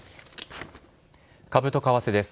株と為替です。